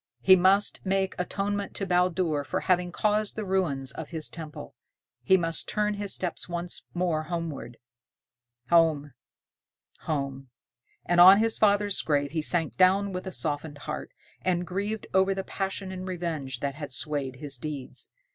He must make atonement to Baldur for having caused the ruin of his temple. He must turn his steps once more homeward. Home! Home! And on his father's grave he sank down with a softened heart, and grieved over the passion and revenge that had swayed his deeds.